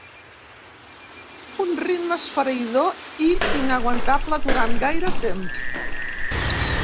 Un ritme esfereïdor i inaguantable durant gaire temps.